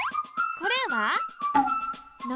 これは軒。